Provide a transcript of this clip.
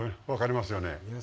わかりますよね？